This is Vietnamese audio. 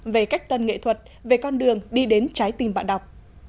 về cách tân nghệ thuật về con đường đi đến trái tim bạn đọc